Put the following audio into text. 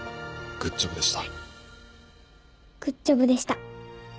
グッジョブでした！